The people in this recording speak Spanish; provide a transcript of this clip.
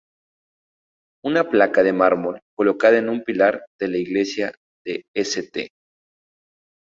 Una placa de mármol colocada en un pilar de la iglesia de St.